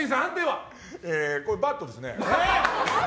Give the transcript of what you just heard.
これ、バッドですね。